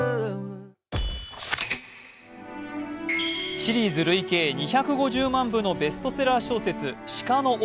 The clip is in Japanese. シリーズ累計２５０万部のベストセラー小説「鹿の王」